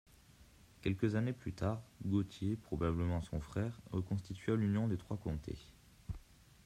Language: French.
Quelques années plus tard, Gautier, probablement son frère, reconstitua l'union des trois comtés.